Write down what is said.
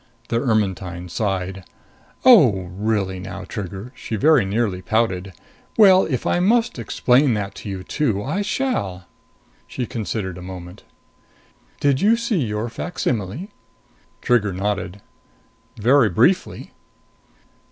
The Ermetyne sighed. "Oh, really now, Trigger!" she very nearly pouted. "Well, if I must explain about that to you, too, I shall." She considered a moment. "Did you see your facsimile?" Trigger nodded. "Very briefly."